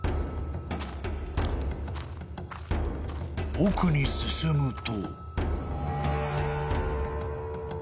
［奥に進むと］